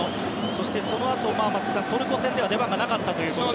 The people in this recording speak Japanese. そして、そのあとトルコ戦では出番がなかったということで。